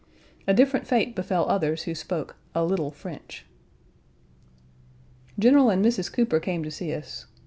A different fate befell others who spoke "a little French." General and Mrs. Cooper came to see us.